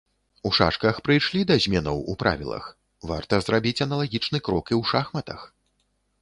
У шашках прыйшлі да зменаў у правілах, варта зрабіць аналагічны крок і ў шахматах.